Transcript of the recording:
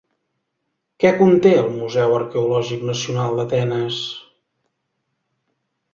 Què conté el Museu Arqueològic Nacional d'Atenes?